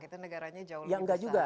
kita negaranya jauh lebih besar